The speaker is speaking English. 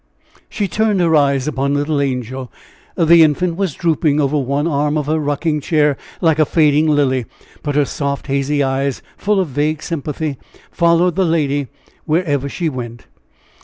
She turned her eyes upon little Angel. The infant was drooping over one arm of her rocking chair like a fading lily, but her soft, hazy eyes, full of vague sympathy, followed the lady wherever she went.